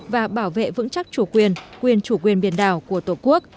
và bảo vệ vững chắc chủ quyền quyền chủ quyền biển đảo của tổ quốc